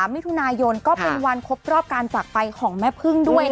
มิถุนายนก็เป็นวันครบรอบการจากไปของแม่พึ่งด้วย